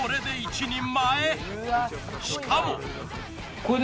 しかも。